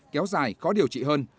kéo dài khó điều trị hơn